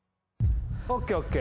ＯＫＯＫ。